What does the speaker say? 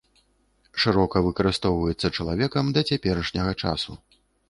Шырока выкарыстоўваецца чалавекам да цяперашняга часу.